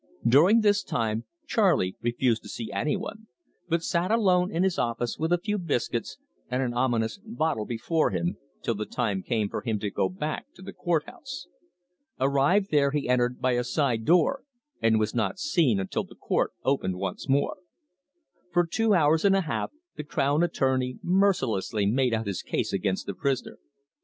During this time Charley refused to see any one, but sat alone in his office with a few biscuits and an ominous bottle before him, till the time came for him to go back to the court house. Arrived there he entered by a side door, and was not seen until the court opened once more. For two hours and a half the crown attorney mercilessly made out his case against the prisoner.